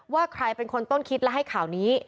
ว่าใครเป็นคนต้นคิดและให้ข่าวนี้